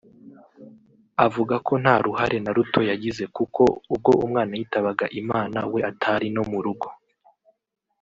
Avuga ko nta ruhare na ruto yagize kuko ubwo umwana yitabaga Imana we atari no mu rugo